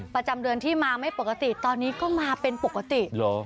ประจำเดือนที่มาไม่ปกติตอนนี้ก็มาเป็นปกติเหรอ